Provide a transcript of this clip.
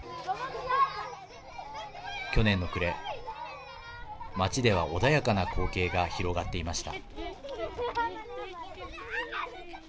去年の暮れ町では穏やかな光景が広がっていました。